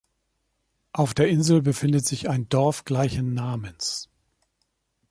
Auf der Insel befindet sich ein Dorf gleichen Namens.